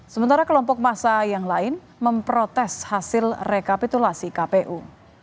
sementara kelompok massa yang lain memprotes hasil rekapitulasi kpu